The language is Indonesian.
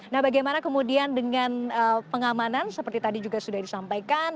nah bagaimana kemudian dengan pengamanan seperti tadi juga sudah disampaikan